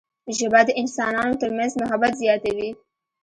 ژبه د انسانانو ترمنځ محبت زیاتوي